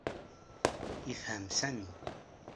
Yefhem Sami.